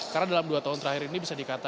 karena dalam dua tahun terakhir ini bisa dikatakan